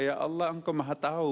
ya allah engkau mahatau